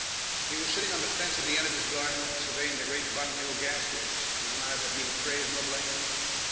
He was sitting on the fence at the end of his garden and surveying the great Bun Hill gas works with an eye that neither praised nor blamed.